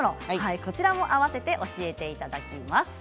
こちらもあわせて教えていただきます。